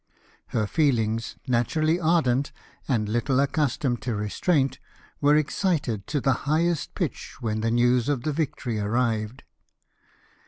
Her feelings, naturally ardent, and little accustomed to restraint, were excited to the highest pitch when the news of the victory arrived.